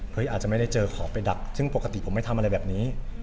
อาจจะไม่ได้เจอขอไปดักซึ่งปกติผมไม่ทำอะไรแบบนี้